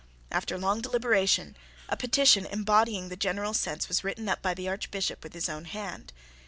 After long deliberation, a petition embodying the general sense was written by the Archbishop with his own hand.